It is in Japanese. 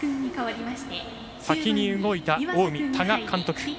先に動いた近江の多賀監督。